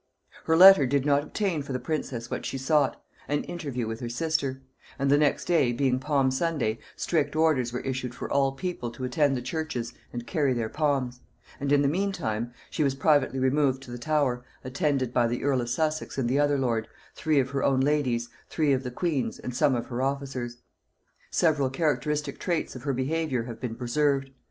Her letter did not obtain for the princess what she sought, an interview with her sister; and the next day, being Palm Sunday, strict orders were issued for all people to attend the churches and carry their palms; and in the mean time she was privately removed to the Tower, attended by the earl of Sussex and the other lord, three of her own ladies, three of the queen's, and some of her officers. Several characteristic traits of her behaviour have been preserved.